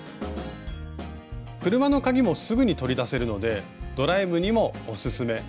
車の鍵もすぐに取り出せるのでドライブにもオススメ。